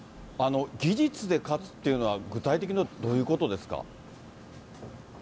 技術で勝つっていうのは具体的には、どういうことですか。